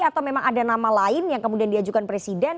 atau memang ada nama lain yang kemudian diajukan presiden